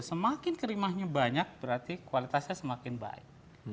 semakin kerimahnya banyak berarti kualitasnya semakin baik